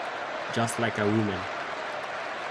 Just like a Woman